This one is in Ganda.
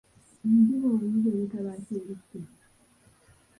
Enjuba obuyuba ereeta ba kyeruppe.